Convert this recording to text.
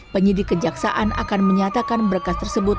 penyidik kejaksaan akan menyatakan berkas tersebut